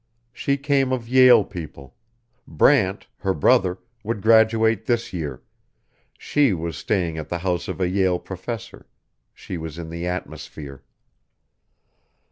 She came of Yale people; Brant, her brother, would graduate this year; she was staying at the house of a Yale professor; she was in the atmosphere.